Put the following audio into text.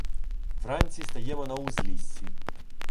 Вранці стаємо на узліссі.